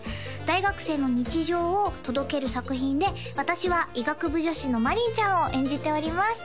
大学生の日常を届ける作品で私は医学部女子の真凜ちゃんを演じております